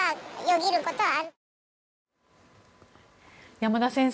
山田先生